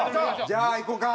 じゃあいこうか。